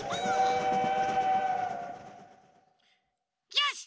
よし！